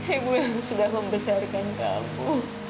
ibu yang sudah membesarkan kamu